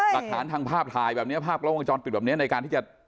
หลักฐานทางภาพถ่ายแบบนี้ภาพกล้องวงจรปิดแบบนี้ในการที่จะ